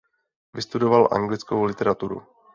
Vystudoval anglickou literaturu.